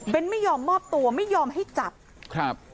เบ้นด์ไม่ยอมมอบตัวไม่ยอมให้จับ